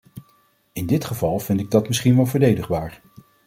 In dit geval vind ik dat misschien wel verdedigbaar.